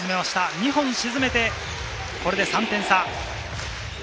２本沈めて、これで３点差。